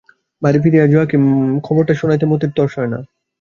বাড়ি ফিরিয়া জয়াকে খবরটা শোনাইতে মতির তর সয় না।